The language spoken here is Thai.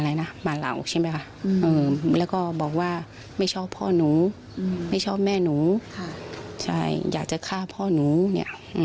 อยากจะฆ่าพ่อนุเนี่ย